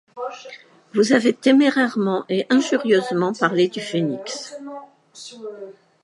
Vous avez témérairement et injurieusement parlé du phénix.